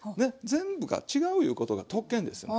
全部が違ういうことが特権ですよ。